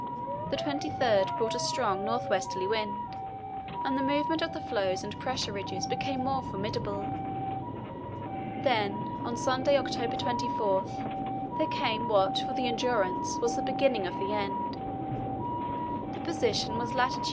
The 23rd brought a strong north westerly wind, and the movement of the floes and pressure ridges became more formidable. Then on Sunday, October 24, there came what for the Endurance was the beginning of the end. The position was lat.